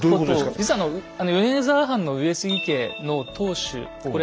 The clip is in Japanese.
実はあの米沢藩の上杉家の当主これ